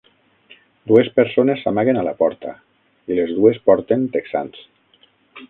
Dues persones s'amaguen a la porta i les dues porten texans.